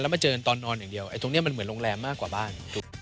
มาเจอตอนนอนอย่างเดียวตรงนี้มันเหมือนโรงแรมมากกว่าบ้าน